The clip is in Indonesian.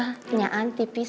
ah kenyaan tipis